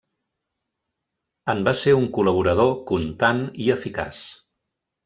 En va ser un col·laborador contant i eficaç.